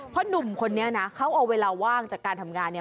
เพราะหนุ่มคนนี้นะเขาเอาเวลาว่างจากการทำงานเนี่ย